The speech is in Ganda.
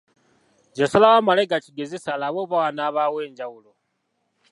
Yasalawo amale gakigezesa alabe oba wanaabaawo enjawulo.